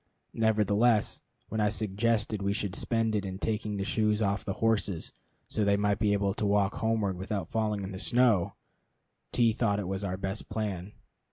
Nevertheless, when I suggested we should spend it in taking the shoes off the horses, so they might be able to walk homeward without falling in the snow, T thought it our best plan.